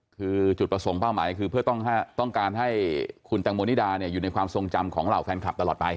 คือจุดประสงค์เป้าหมายให้คุณแต่งโมอยู่ในความทรงจำของเหล่าแฟนคลับควร